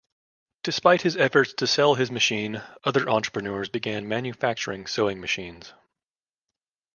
Despite his efforts to sell his machine, other entrepreneurs began manufacturing sewing machines.